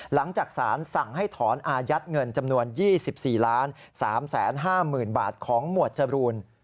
หลังจากสารสั่งให้ถอนอายัดเงินจำนวน๒๔๓๕๐๐๐บาทของหมวดจรูน